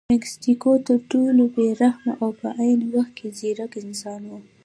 منګیسټیو تر ټولو بې رحمه او په عین وخت کې ځیرک انسان و.